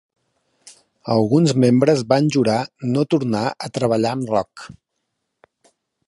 Alguns membres van jurar no tornar a treballar amb Rock.